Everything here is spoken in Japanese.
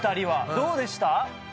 どうでした？